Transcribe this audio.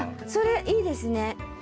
それいいですね。